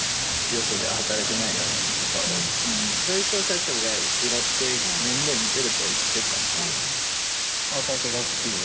よそで働けないような人とかを、そういう人を拾って、面倒見てるとは言ってたんで。